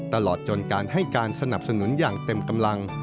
ตลอดจนการให้การสนับสนุนอย่างเต็มกำลัง